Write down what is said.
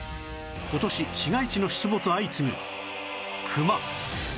今年市街地の出没相次ぐクマ